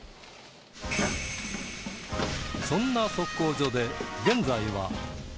そんな測候所で現在は